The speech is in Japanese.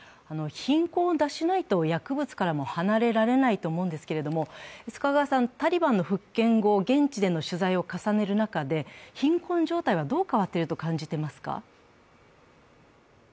貧困を脱しないと薬物からも離れられないと思うんですけど須賀川さん、タリバンの復権後現地での取材を重ねる中で、貧困状態はどう変わっていると感じていますか？